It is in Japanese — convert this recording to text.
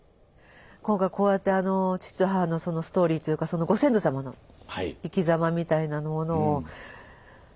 今回こうやって父と母のそのストーリーというかご先祖様の生きざまみたいなものをあの。